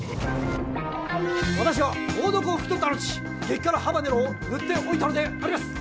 私は猛毒を拭き取ったのち激辛ハバネロを塗っておいたのであります！